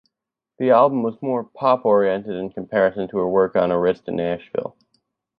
The album was more pop oriented in comparison to her work on Arista Nashville.